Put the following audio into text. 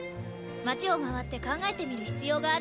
街を回って考えてみる必要があると思うの。